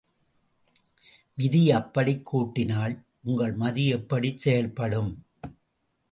விதி அப்படிக் கூட்டினால் உங்கள் மதி எப்படிச் செயல்படும்?